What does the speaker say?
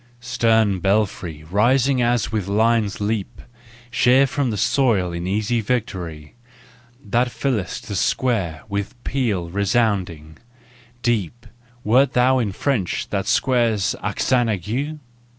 .Stern belfry, rising as with lion's leap Sheer from the soil in easy victory, That fill'st the Square with peal resounding, deep, Wert thou in French that Square's u accent aigu